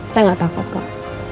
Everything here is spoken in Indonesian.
saya gak takut pak